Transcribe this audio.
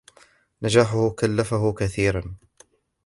نجاحُهُ كلّفه كثيرًا.